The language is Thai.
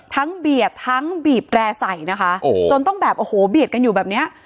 ทั้งเบียดทั้งบีบแร่ใสนะคะจนต้องแบบโอ้โหเบียดกันอยู่แบบนี้